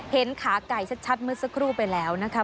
ขาไก่ชัดเมื่อสักครู่ไปแล้วนะคะ